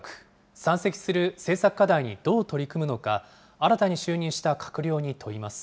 山積する政策課題にどう取り組むのか、新たに就任した閣僚に問います。